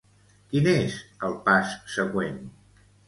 Quin és el pas següent?